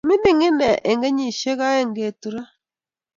Mining inet eng kenyishek aeng koturo